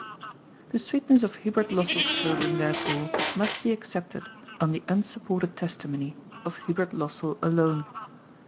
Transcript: The sweetness of Hubert Lossell's children, therefore, must be accepted on the unsupported testimony of Hubert Lossell alone.